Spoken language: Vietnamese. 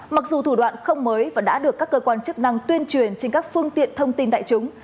mặc dù thủ đoạn không mới và đã được các cơ quan chức năng tuyên truyền trên các phương tiện thông tin đại chúng